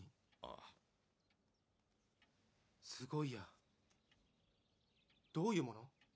ああすごいやどういうもの？